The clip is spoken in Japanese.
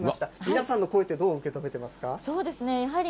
皆さんの声って、どう受け止めてそうですね。